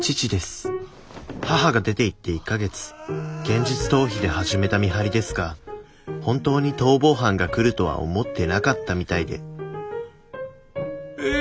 現実逃避で始めた見張りですが本当に逃亡犯が来るとは思ってなかったみたいでえ。